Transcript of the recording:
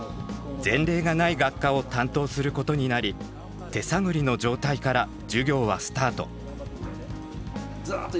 前例がない学科を担当することになり手探りの状態から授業はスタート。